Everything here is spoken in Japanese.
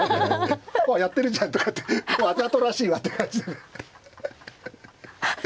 あやってるじゃんとかってわざとらしいわって感じで。